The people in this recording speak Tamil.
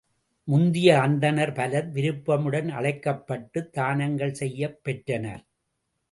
முதிய அந்தணர் பலர் விருப்பமுடன் அழைக்கப்பட்டுத் தானங்கள் செய்யப் பெற்றனர்.